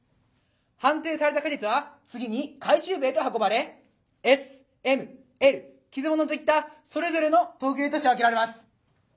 判定された果実は次に回収部へと運ばれＳＭＬ傷モノといったそれぞれの等級として分けられます。